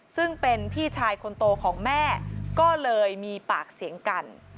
ซึ่งเป็นพี่ชายคนโตของแม่ก็เลยมีปากเสียงกัน